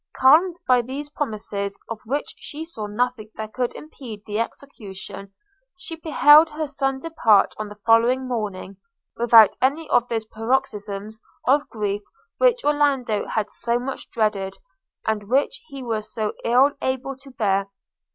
Calmed by these promises, of which she saw nothing that should impede the execution, she beheld her son depart on the following morning, without any of those paroxysms of grief which Orlando had so much dreaded, and which he was so ill able to bear.